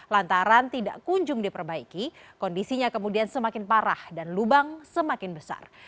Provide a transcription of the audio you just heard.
lantaran tidak kunjung diperbaiki kondisinya kemudian semakin parah dan lubang semakin besar